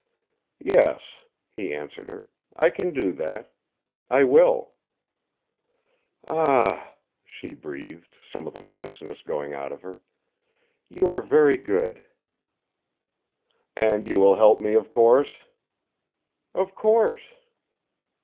"Yes," he answered her; "I can do that. I will." "Ah," she breathed, some of the tenseness going out of her, "you are very good!" "And you will help me, of course." "Of course."